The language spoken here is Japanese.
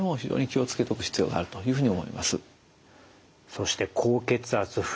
そして高血圧冬。